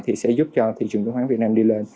thì sẽ giúp cho thị trường chứng khoán việt nam đi lên